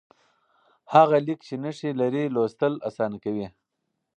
هغه لیک چې نښې لري، لوستل اسانه کوي.